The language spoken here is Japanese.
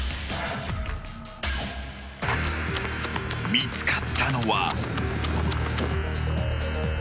［見つかったのは］